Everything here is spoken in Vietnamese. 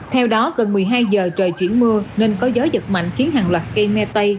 theo đó gần một mươi hai giờ trời chuyển mưa nên có gió giật mạnh khiến hàng loạt cây me tây